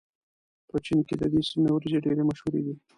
په چين کې د دې سيمې وريجې ډېرې مشهورې دي.